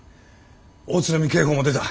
大津波警報も出た。